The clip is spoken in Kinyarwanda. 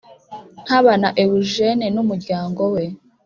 ntabana eugene n umuryango we